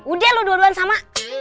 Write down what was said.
udah lu dua duluan sama